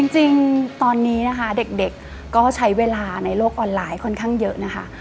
จริงตอนนี้นะคะเด็กก็ใช้เวลาในโลกออนไลน์ค่อนข้างเยอะนะคะ